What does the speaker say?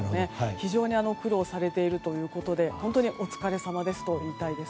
非常に苦労されているということで本当にお疲れさまですと言いたいです。